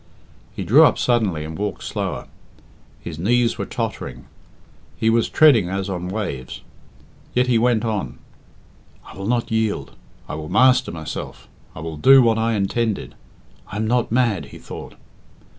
He drew up suddenly and walked slower. His knees were tottering, he was treading as on waves; yet he went on. "I will not yield. I will master myself. I will do what I intended. I am not mad," he thought.